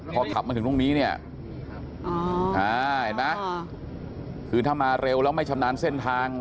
พอขับมาถึงตรงนี้เนี่ยเห็นไหมคือถ้ามาเร็วแล้วไม่ชำนาญเส้นทาง